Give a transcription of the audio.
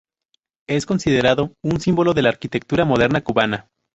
Es considerado un símbolo de la arquitectura moderna cubana.